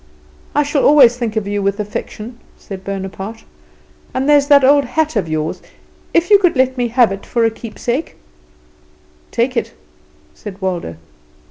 "I shall always think of you with affection" said Bonaparte. "And there's that old hat of yours, if you could let me have it for a keepsake " "Take it," said Waldo.